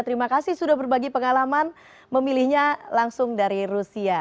terima kasih sudah berbagi pengalaman memilihnya langsung dari rusia